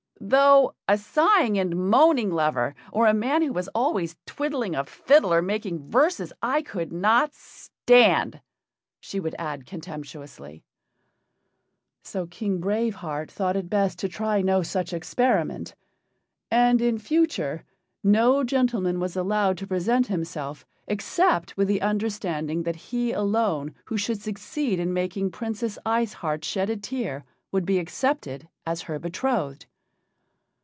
"Though a sighing and moaning lover, or a man who is always twiddling a fiddle or making verses I could not stand," she would add contemptuously. So King Brave Heart thought it best to try no such experiment. And in future no gentleman was allowed to present himself except with the understanding that he alone who should succeed in making Princess Ice Heart shed a tear would be accepted as her betrothed.